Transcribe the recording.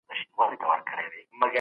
په ټولنه کي د عزت ساتنه ډېره مهمه ده.